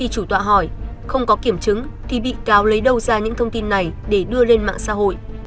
chủ tọa hỏi không có kiểm chứng thì bị cáo lấy đâu ra những thông tin này để đưa lên mạng xã hội